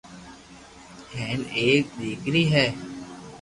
ھين ايڪ ديڪري ھي